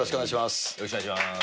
よろしくお願いします。